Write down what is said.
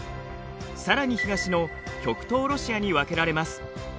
さらに東の極東ロシアに分けられます。